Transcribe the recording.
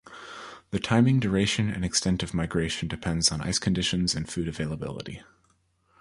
The timing, duration, and extent of migration depends on ice conditions and food availability.